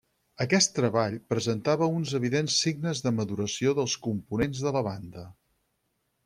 Aquest treball presentava uns evidents signes de maduració dels components de la banda.